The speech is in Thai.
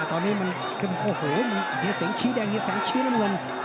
ตอนนี้มันคือโอ้โหมีเสียงชี้แดงมีแสงชี้น้ำเงิน